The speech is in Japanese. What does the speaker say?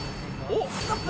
おっ！？